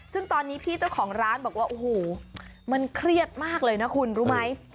ซึ่งตอนนี้พี่เจ้าของร้านบอกว่าโอ้โหมันเครียดมากเลยนะคุณรู้ไหม